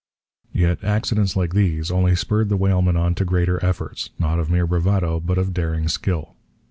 Yet accidents like these only spurred the whalemen on to greater efforts, not of mere bravado, but of daring skill.